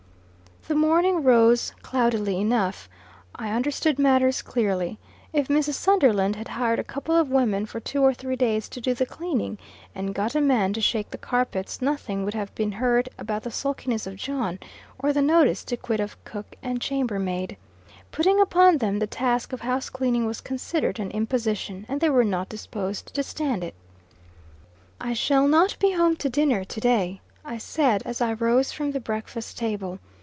The morning rose cloudily enough. I understood matters clearly. If Mrs. Sunderland had hired a couple of women for two or three days to do the cleaning, and got a man to shake the carpets, nothing would have been heard about the sulkiness of John, or the notice to quit of cook and chamber maid. Putting upon them the task of house cleaning was considered an imposition, and they were not disposed to stand it. "I shall not be home to dinner to day," I said, as I rose from the breakfast table.